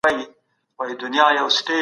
حقوقپوهان به مهم بحثونه پرمخ وړي.